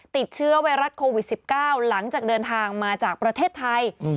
ติดเชื้อไวรัสโควิด๑๙หลังจากเดินทางมาจากประเทศไทย